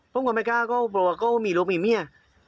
ผมก็ไม่กล้าก็บอกว่ามีลูกมีเมีย